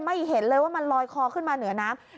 เห็นเลยว่ามันลอยคอขึ้นมาเหนือน้ำ